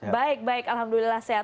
baik baik alhamdulillah sehat